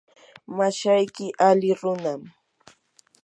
mashayki ali runam.